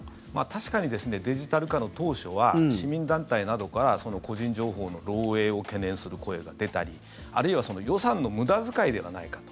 確かにデジタル化の当初は市民団体などから個人情報の漏えいを懸念する声が出たりあるいは予算の無駄遣いではないかと。